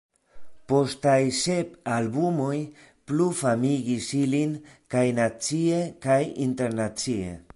Postaj sep albumoj plu famigis ilin kaj nacie kaj internacie.